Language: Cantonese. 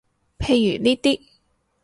譬如呢啲